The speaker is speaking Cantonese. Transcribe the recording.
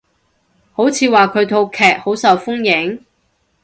好似話佢套劇好受歡迎？